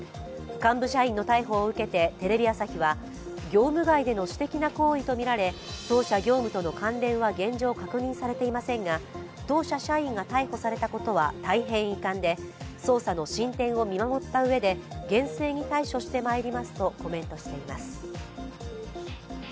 幹部社員の逮捕を受けてテレビ朝日は、業務外での私的な行為とみられ、当社業務との関連は現状、確認されていませんが当社社員が逮捕されたことは大変遺憾で、捜査の進展を見守ったうえで厳正に対処してまいりますとコメントしています。